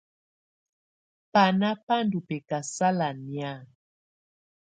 Banà bá ndù bɛ̀kasala nɛ̀á.